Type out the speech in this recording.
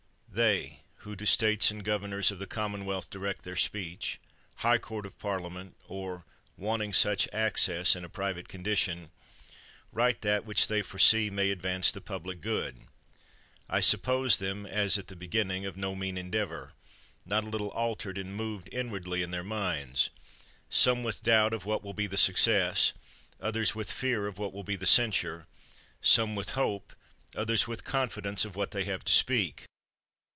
They, who to states and governors of the com monwealth direct their speech, High Court of Parliament, or, wanting such access in a private condition, write that which they foresee, may advance the public good; I suppose them, as at the beginning of no mean endeavor, not a little altered and moved inwardly in their minds — some with doubt of what will be the success, others with fear of what will be the censure; some with hope, others with confidence of what they have to speak.